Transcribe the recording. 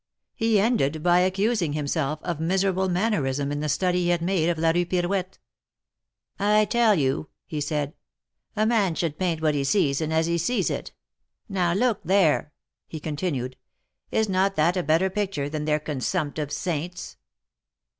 He ended by accusing himself of miserable mannerism in the study he had made of la Rue Pirouette. I tell you," he said, a man should paint what he sees, and as he sees it. Now, look there !" he continued. ^Hs not that a better picture than their consumptive saints?"